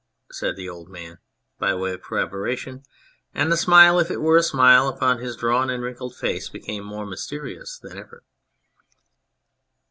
"" Ar !" said the old man, by way of corroboration ; and the smile if it were a smile upon his drawn and wrinkled face became more mysterious than ever.